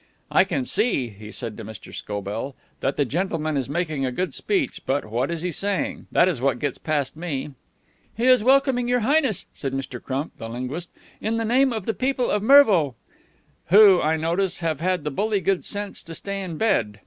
"I can see," he said to Mr. Scobell, "that the gentleman is making a good speech, but what is he saying? That is what gets past me." "He is welcoming Your Highness," said Mr. Crump, the linguist, "in the name of the people of Mervo." "Who, I notice, have had the bully good sense to stay in bed.